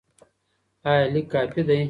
ایا لیک کافي دی؟